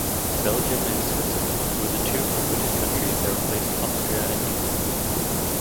Belgium and Switzerland were the two promoted countries that replaced Austria and England.